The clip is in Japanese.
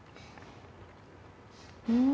うん。